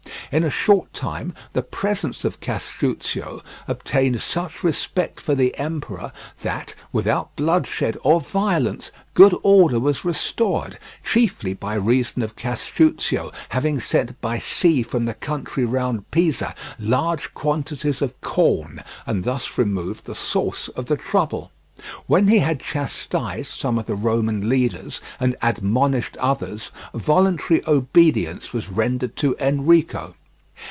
In a short time the presence of Castruccio obtained such respect for the emperor that, without bloodshed or violence, good order was restored, chiefly by reason of Castruccio having sent by sea from the country round Pisa large quantities of corn, and thus removed the source of the trouble. When he had chastised some of the Roman leaders, and admonished others, voluntary obedience was rendered to Enrico.